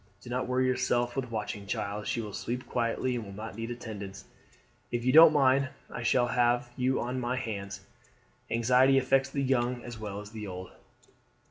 Do not worry yourself with watching, child. She will sleep quietly, and will not need attendance. If you don't mind I shall have you on my hands. Anxiety affects the young as well as the old.'